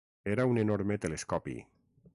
Era un enorme telescopi